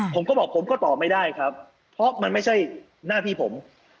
ผมก็บอกผมก็ตอบไม่ได้ครับเพราะมันไม่ใช่หน้าพี่ผม